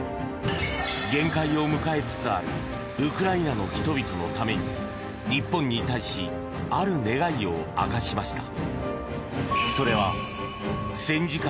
限界を迎えつつあるウクライナの人々のために日本に対しある願いを明かしました。